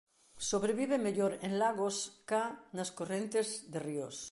Sobrevive mellor en lagos cá nas correntes de ríos.